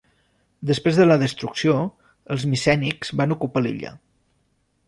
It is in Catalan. Després de la destrucció, els micènics van ocupar l'illa.